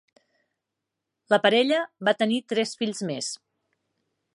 La parella va tenir tres fills més.